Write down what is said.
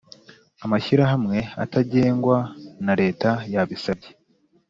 amashyirahamwe atagengwa na leta yabisabye